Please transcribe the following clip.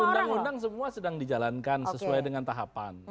undang undang semua sedang dijalankan sesuai dengan tahapan